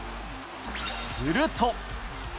すると。